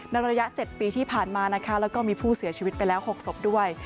ระยะ๗ปีที่ผ่านมานะคะแล้วก็มีผู้เสียชีวิตไปแล้ว๖ศพด้วย